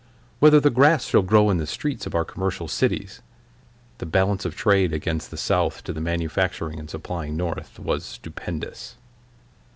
whether the grass shall grow in the streets of our commercial cities." (The balance of trade against the South to the manufacturing and supplying North was stupendous.)